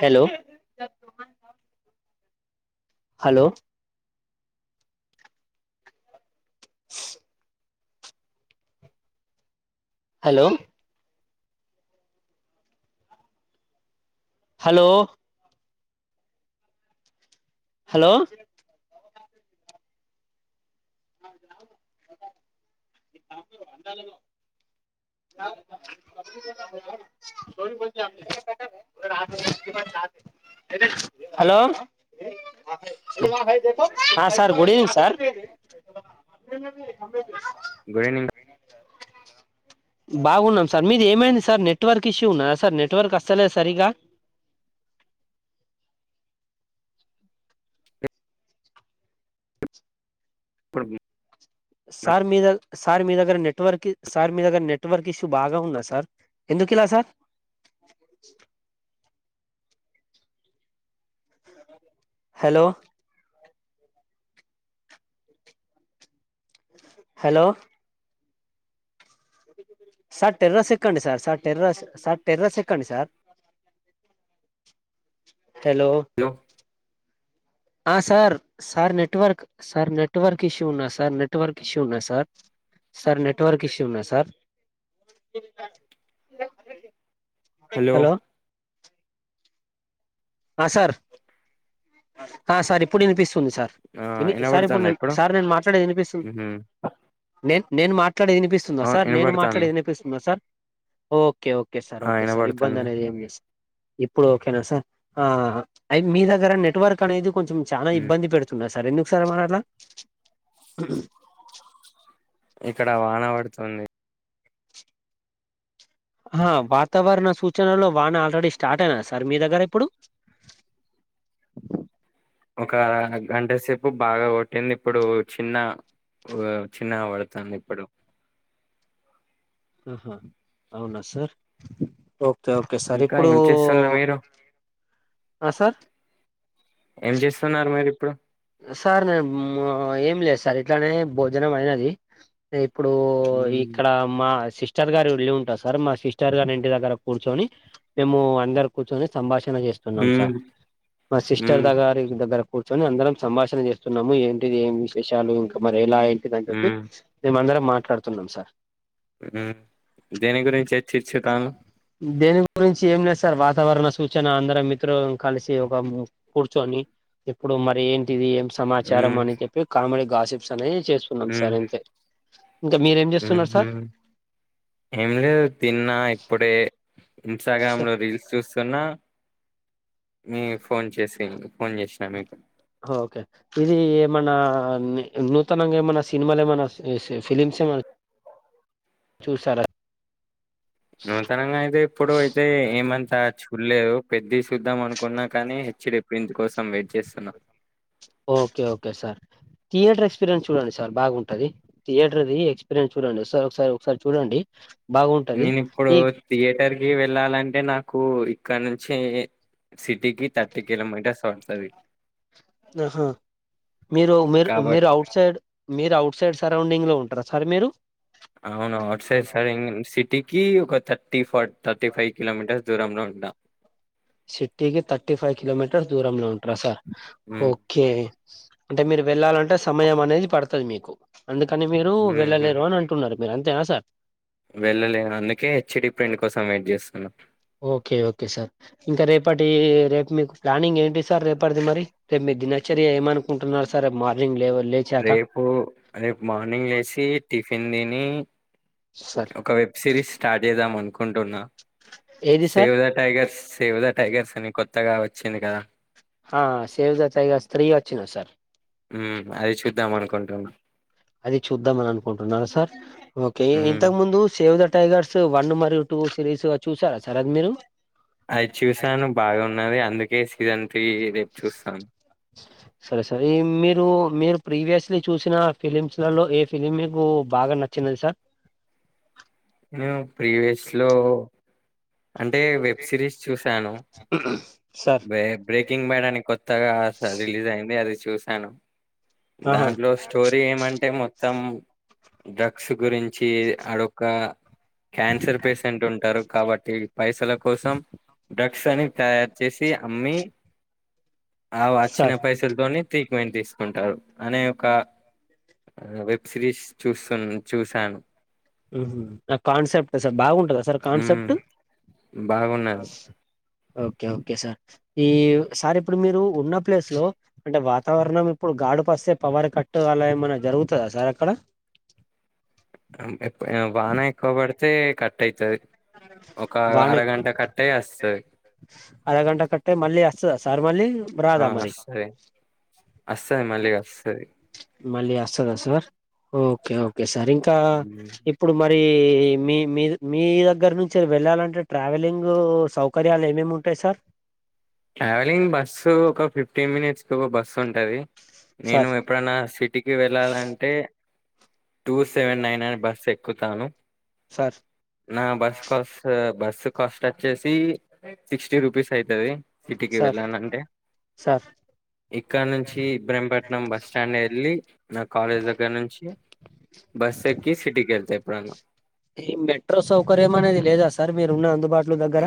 hello hello hello hello hello [unintelligible] [unintelligible] hello good ఆ sir good evening sir good evening బాగున్నాం sir మీది ఏమైంది sir network issue ఉన్నాదా sir network వస్తలేదు సరిగా పవీ సార్ మీ ద సార్ మీ దగ్గర నెట్వర్క్ సార్ మీ దగ్గర నెట్వర్క్ ఇష్యూ బాగా ఉందా సార్ ఎందు కిలా సార్ అ హలో హలో సార్ టెర్రస్ ఎకండి sir sir terrace sir terrace ఎకండి సార్ అ హలో ఆ sir sir network sir network ఇష్యూనా సార్ నెట్వర్క్ ఇష్యూనా సార్ సార్ నెట్వర్క్ ఇష్యూనా సార్ హలో ఆ సార్ ఆ సార్ ఇప్పుడు నినిపిసు ఉంది సార్ ఆ ఏంది సార్ వినబడుతుందా ఇప్పుడుే ఇప్పుడు సార్ నేను మాట్లాడేది వినిపిస్తు ఉహు నేను నేను మాట్లాడేది వినిపిస్తుందా అవును సార్ నేను వినబడుతాంది మాట్లాడేది వినిపిస్తుందా సార్ ఓకే ఓకే సార్ ఆ ఓకే సార్ ఇబ్బంది వినబడుతుంది అనేది ఏం చేస్త ఇప్పుడు ఓకేనా సార్ ఆ అయి మీ దగ్గర నెట్వర్క్ అనేది కొంచెం చానా ఉమ్, ఇబ్బంది పెడుతున్నాది సార్ మరెందుకు సార్ మరలా ఇక్కడ వాన పడుతుంది ఆ వాతావరణ సూచనలో వాన ఆల్రెడీ స్టార్ట్ అయిన సార్ మీ దగ్గర ఇప్పుడు ఒక గంట సేపు బాగా కొట్టింది ఇప్పుడు చిన్న ఓ చిన్నగా పడుతాన్ది ఇప్పుడు ఆహా అవునా సార్ ఓకే ఓకే సార్ ఇంకా ఇప్పుడు ఏం చేస్తున్న మీరు ఆ సార్ ఏం చేస్తున్నారు మీరు ఇప్పుడు సార్ నేను మ ఏం లేదు సార్ ఇట్లానే భోజనం అయినది ఏప్ ఇప్పుడు ఉమ్ ఇక్కడ మా సిస్ స్టర్ గారీ ఇళ్ళు ఉంటాది సార్ మా సిస్టర్ గారి ఇంటి దగ్గర కూర్చొని మేము అందరు కూర్చొని సంభాష చేస్తున్నాం సార్ ఉమ్ మా సిస్టర్ ఉమ్ దగ్గారి దగ్గర కూర్చొని అందరం సంభాషణ చేస్తున్నాము ఏంటిది ఏం విశేషాలు ఇంకా మరి ఎలా ఏంటిది అని చెప్పి ఉమ్ మేమందరం మాట్లాడుతున్నాం సార్ ఉమ్ దేని గురించిచర్చిర్చుతానవ్ దేని గురించి ఏం లేదు సార్ వాతావరణ సూచన అందర మిత్రులమ్ కలిసి ఒక కూర్చొని ఇప్పుడు మరి ఏం ఇది ఏం సమాచారం ఉమ్ అని చెప్పి కామెడీ గాసిప్స్ అనేది చేస్తున్నాం సార్ అంతే ఇంకా మీరేం ఉమ్ చేస్తున్నారు హు సార్ ఏం లేదు తిన్నా ఇప్పుడే ఇన్స్టాగ్రామ్ లో రీల్స్ చూస్తున్నా మీ ఫోన్ చేసింది ఫోన్ చేసినా మీకు ఓకే ఇది ఏమన్నా నూతనంగా ఏమన్నా సినిమాలు ఏమైన్నా ఫిలిమ్స్ ఏమన్నా చూసారా నూతనంగా అయితే ఇప్పుడు అయితే ఏమంత చూడలేదు పెద్ది సూద్దాం అనుకున్నా కానీ హెచ్డి ప్రింట్ కోసం వెయిట్ చేస్తున్నా okay okay sir theatre experience చూడండి సార్ బాగుంటది థియేటర్ది ఎక్స్పీరియన్స్ చూడండి సార్ ఒకసారి ఒకసారి చూడండి బాగుంటది నేను ఇప్పుడు ఈ థియేటర్ కి వెళ్ళాలంటే నాకు ఇక్కడ నుంచి సిటీకి థర్టీ కిలోమీటర్స్ వడ్ తద్ తది ఆహా మీరు మీరు మీరు కాబట్టి అవుట్ సైడ్ మీరు అఔట్ సైడ్ సరౌండింగ్ లో ఉంటార సార్ మీరు అవును అట్ సైడ్ సార్ సిటీకి ఒక thirty four thirty five kilometres దూరంలో ఉంటా సిటీకి థర్టీ ఫైవ్ కిలోమీటర్స్ దూరంలో ఉంటరా సార్ హ్మ్ ఓకే అంటే మీరు వెళ్లాలంటే సమయం అనేది పడతది మీకు అందుకని మీరు వెళ్ళలేరు అని అంటున్నారు మీర అంతేనా సార్ వెళ్ళలేం అందుకే హెచ్డి ప్రింట్ కోసం వెయిట్ చేస్తున్నా ఓకే ఓకే సార్ ఇంకా రేపటి రేపు మీకు ప్లానింగ్ ఏంటి సార్ రేపటిది మరి రేపు మీ దినచర్య ఏమనుకుంటున్నారు సర్ రేపు మార్నింగ్ లేవగానే రేపు రేపు మార్నింగ్ లేసి టిఫిన్ తిని సార్ ఒక వెబ్ సిరీస్ స్టార్ట్ చేద్దాం అనుకుంటున్నా ఏది sir Save the Tigers Save the Tigers అని కొత్తగా వచ్చింది కదా ఆ సేవ్ ద టైగర్స్ త్రీ వచ్చినయి సార్ హ్ అది చూద్దాం అనుకుంటున్నా అది చూద్దామని అనుకుంటున్నార సార్ ఓకే మ్మ్, ఇంతకు ముందు సేవ్ ద టైగర్స్ వన్ మరియు టూ సిరీస్ చూసారా సార్ అది మీరు అది చూసాను బాగున్నది అందుకే సీజన్ త్రీ రేపు చూస్తాను సరే సరే ఈ మీరు మీరు ప్రీవియస్లీ చూసిన ఫిలిమ్స్ లలో ఏ ఫిలిం మీకు బాగా నచ్చినది సార్ ప్రీవియస్ లో అంటే వెబ్ సిరీస్ చూసాను సార్ బ్రే బ్రేకింగ్ బ్యాడ్ అని కొత్తగా స రిలీజ్ అయింది అది చూశాను ఆహా దాంట్లో స్టోరీ ఏమంటే మొత్తం డ్రగ్స్ గురించి అడొక్క క్యాన్సర్ పేషెంట్ ఉంటారు కాబట్టి పైసల కోసం డ్రగ్స్ అని తయారు చేసి అమ్మి ఆ వచ్చిన సార్ పైసలతోనే ట్రీట్మెంట్ తీసుకుంటారు అనే ఒక వెబ్ సిరీస్ చూస్తు చూసాను హ్ ఆ కాన్సెప్ట్ సార్ బాగుంటదా సార్ ఉమ్ కాన్సెప్ట్ బాగున్నది ఓకే ఓకే సార్ ఈ సార్ ఇప్పుడు మీరు ఉన్న ప్లేస్ లో అంటే వాతావరణం ఇప్పుడు గాడు పస్తే పవర్ కట్టు అలా ఏమైనా జరుగుతదా సార్ అక్కడ వాన ఎక్కువ పడితే కట్ అయితది ఒక వాన ఎక్కు- అరగంట కట్టయ్ వస్తది అరగంట కట్టే మళ్ళీ వస్తదా సార్ మళ్ళీ ఆ రాదా మరి వస్తది వస్తది మళ్ళీ వస్తది మళ్ళీ వస్తదా సార్ ఓకే ఓకే సార్ ఇంకా ఇప్పుడు మరి ఈ మీ మీ మీ దగ్గర నుంచి వెళ్ళాలంటే ట్రావెలింగ్ సౌకర్యాలు ఏమేమి ఉంటాయి సర్ సార్ ట్రావెలింగ్ బస్సు ఒక ఫిఫ్టీన్ మినిట్స్కి ఒక బస్సు ఉంటది నేను సార్ ఎప్పుడన్న సిటీకి వెళ్ళాలంటే టూ సెవెన్ నైన్ అనే బస్సు ఎక్కుతాను సార్ నా బస్ కోస్ బస్ కాస్ట్ వచ్చేసి సిక్స్టీ రూపీస్ అయితది సిటీకి సార్ వెళ్ళాలంటే సార్ ఇక్కడ నుంచి ఇబ్రహింపట్నం బస్ స్టాండ్ వెళ్ళి నా కాలేజ్ దగ్గర నుంచి బస్ ఎక్కి సిటీకి వెళ్తా ఎప్పుడన్నా ఈ మెట్రో సౌకర్యం అనేది లేదా సార్ మీరు ఉన్న అందుబాటులో దగ్గర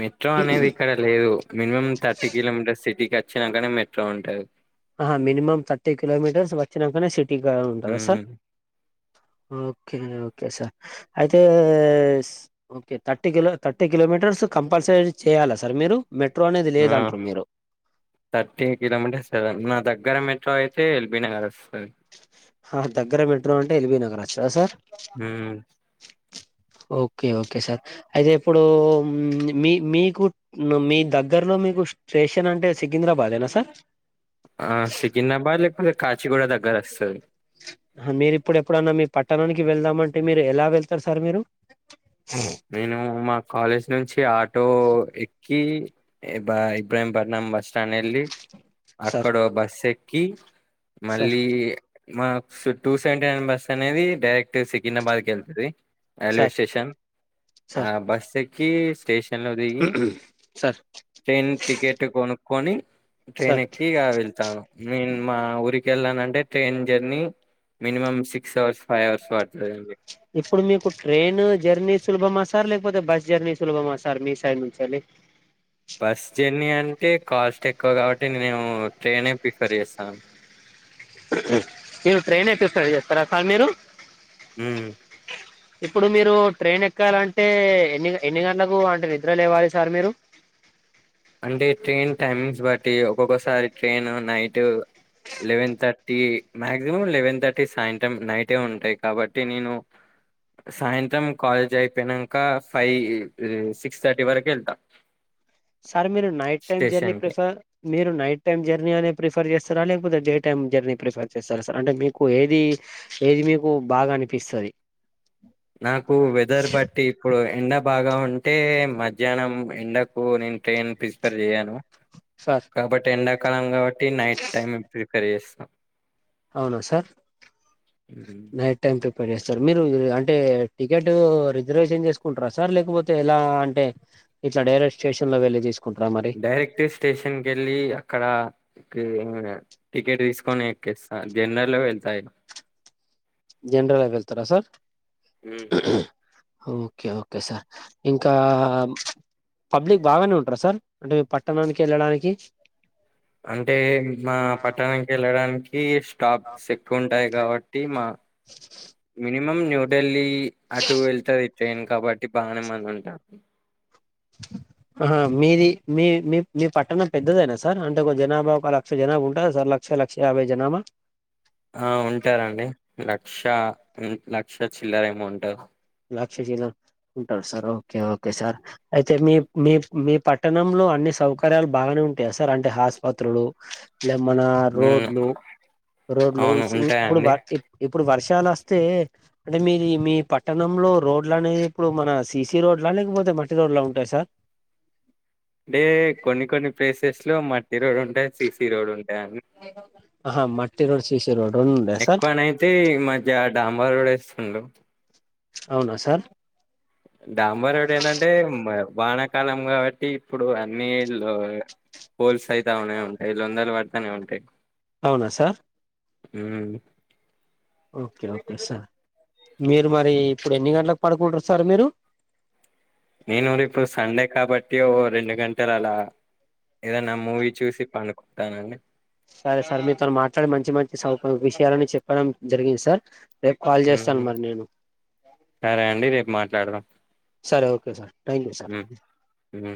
మెట్రో అనేది ఇక్కడ లేదు మినిమం థర్టీ కిలోమీటర్ సిటీకి వచ్చినాకనే మెట్రో ఉంటాది ఆ హా మినిమమ్ థర్టీ కిలోమీటర్స్ వచ్చినాకనే సిటీగా ఉంటదా సార్ ఓకే అండి ఓకే సార్ అయితే okay thirty kilo thirty kilometres compulsory చేయాలా సార్ మీరు మెట్రో అనేది ఆ లేదంటారు మీరు థర్టీ కిలోమీటర్స్ ఎవ్రన్న తగ్గ గర మెట్రో అయితే ఎల్బీ నగర్స్ హా దగ్గర మెట్రో అంటే ఎల్బీ నగర్ వస్తదా సార్ హ్మ్ ఓకే ఓకే సార్ అయితే ఇప్పుడు మీ మీకు మీ దగ్గరలో మీకు స్టేషన్ అంటే సికింద్రాబాదేనా సార్ ఆ సికింద్రాబాద్ లేకపోతే కాచిగూడ దగ్గరస్తది హ మీరు ఇప్పుడు ఎప్పుడన్నా మీ పట్టణానికి వెళ్దామంటే మీరు ఎలా వెళ్తారు సార్ మీరు నేను మా కాలేజ్ నుంచి ఆటో ఎక్కి క్కి ఇబ్రా ఇబ్రహిం పట్నం బస్ స్టాండెల్లి సార్ అక్కడో బస్ ఎక్కి సార్ మళ్ళీ మా so two seventy nine bus అనేది డైరెక్ట్ సికింద్రాబాద్కెళ్తాది రైల్వే సార్ స్టేషన్ ఆ సార్ బస్సు ఎక్కి స్టేషన్ లోదిగి సార్ ట్రైన్ టికెట్ కొనుక్కొని సార్ ట్రైనేక్కి ఇగ వెళ్తాను నేన్ మా ఊరికి కెళ్ళాలనంటే train journey minimum six hours five hours పడుతుందిండి ఇప్పుడు మీకు ట్రైన్ జర్నీ సులభమా సార్ లేకపోతే బస్ జర్నీ సులభమా సార్ మీ సైడ్ నుంచెల్లి టే కాస్ట్ ఎక్కువ కాబట్టి నేనెమో ట్రైనే ప్రిఫర్ చేస్తాను మీరు ట్రైనే ప్రిఫర్ చేస్తారా సార్ మీరు హ్మ్ ఇప్పుడు మీరు ట్రైన్ ఎక్కాలంటే ఎన్ని ఎన్ని గంటలకు అంటే నిద్రలేవాలి సార్ మీరు అంటే ట్రైన్ టైమింగ్స్ బట్టి ఒక్కొక్కసారి train night eleven thirty maximum eleven thirty సాయంత్రం నైటే ఉంటాయి కాబట్టి నేను సాయంత్రం కాలేజ్ అయిపోయినాక ఫైవ్ సిక్స్ థర్టీ వరకు వెళ్తా సార్ మీరు నైట్ టైమ్ జర్నీ స్టేషన్ కి ప్రిఫర్ మీరు నైట్ టైమ్ జర్నీ అనే ప్రిఫర్ చేస్త లేకపోతే డే టైమ్ జర్నీ ప్రిఫేర్ చేస్తారా సార్ అంటే మీకు ఏది ఏది మీకు బాగా అనిపిస్తది నాకు వెదర్ బట్టి ఇప్పుడు ఎండ బాగా ఉంటే మధ్యాహ్నం ఎండకు నేను ట్రైన్ ప్రిస్ఫర్ చేయ్యాను సార్ కాబట్టి ఎండాకాలం కాబట్టి నైట్ టైమ్ ప్రిఫేర్ చేస్త అవున సార్ నైట్ టైమ్ ప్రిఫ్ ప్రిఫర్ చేస్తారు మీరు అంటే టికెట్ రిజర్వేషన్ చేసుకుంటారా సార్ లేకపోతే ఎలా అంటే ఇట్ల డైరెట్ స్టేషన్ లో వెళ్లి తీసుకు డైరెక్ట్ స్టేషన్ కెళ్ళి అక్కడ టికెట్ తీసుకొని ఎక్కేస్తా జనరల్లో వెళ్తా ఎక్కువగా జనరలో వెళ్తారా సార్ ఉమ్ ఓకే ఓకే సార్ ఇంకా పబ్లిక్ బాగానే ఉంటారా సార్ అంటే మీ పట్టణానికి వెళ్ళడానికి అంటే మా పట్టణానికి వెళ్ళడానికి డాక్స్ ఎక్కువ ఉంటాయి కాబట్టి మా మినిమం న్యూ ఢిల్లీ అటు వెళ్తంది ట్రైన్ కాబట్టి బాగానే మంది ఉంటామ్ ఆ మీది మీ మీ మీ పట్టణం పెద్దదైనా సార్ అంటే జనాభా ఒక లక్ష జనాభా ఉంటందా సార్ ల క్ష లక్ష యాబై జనాబా ఆ ఉంటారండి లక్ష లక్ష చిల్లర ఏమో ఉంటారు క్షీల ఉంటారు సార్ ఓకే ఓకే సార్ అయితే మీ మీ పట్టణంలో అన్ని సౌకర్యాలు బాగానే ఉంటాయా సార్ అంటే ఆస్పత్రులు ఇగా మన ఉమ్ రోడ్లు రోడ్లు అవును ఇప్పుడు ఉంటాయండి [unintelligible] ఇప్పుడు వర్షాలు వస్తే అంటే మీది మీ పట్ పట్టణంలో రోడ్ల అనేది ఇప్పుడు మన సిసి రోడ్లా లేకపోతే మట్టి రోడ్లా ఉంటాయి సార్ అంటే కొన్ని కొన్ని ప్లేసెస్ లో మట్టి రోడ్ ఉంటాయి సిసి రోడ్ ఉం ఆహా మట్ రోస్ ఎక్కువనైతే ఈ మధ్య డాంబా రోడ్ వేస్తుడు అవునా సార్ డాంబా రోడ్ ఏందంటే మా వానాకాలం కాబట్టి ఇప్పుడు ఆ నీళ్ళు పోల్స్ అయితే అనే ఉంటాయి లొందలు పడతానే ఉంటాయి అవునా సార్ ఉమ్ ఓకే ఓకే సార్ మీరు మరి ఇప్పుడు ఎన్ని గంటలకు పడుకుంటారు సార్ మీరు నేను రేపు సండే కాబట్టి ఓ రెండు గంటలు అలా ఏదన్న మూవీ చూసి పండుకుంటానండి సరే సార్ మీతోని మాట్లాడి మంచి మంచి సౌక విషయాలని చెప్పడం జరిగింది సార్ రేపు కాల్ చేస్తాను మ్మ్ మరి నేను సరే అండి రేపు మాట్లాడదాం సరే okay sir thank you sir మ్మ్ మ్మ్